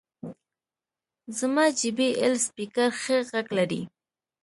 زما جې بي ایل سپیکر ښه غږ لري.